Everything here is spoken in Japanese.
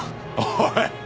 おい！